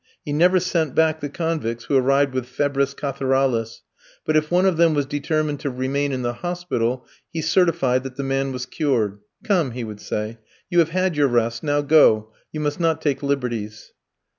He never sent back the convicts who arrived with febris catharalis; but if one of them was determined to remain in the hospital, he certified that the man was cured. "Come," he would say, "you have had your rest; now go, you must not take liberties."